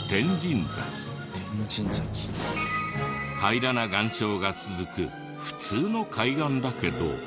平らな岩礁が続く普通の海岸だけど。